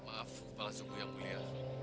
maaf kepala suku yang mulia